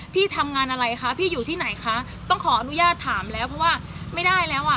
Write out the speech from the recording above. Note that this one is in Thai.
พี่ทำงานอะไรคะพี่อยู่ที่ไหนคะต้องขออนุญาตถามแล้วเพราะว่าไม่ได้แล้วอ่ะ